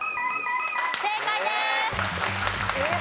正解です。